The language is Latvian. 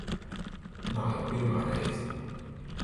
Nav jau pirmā reize.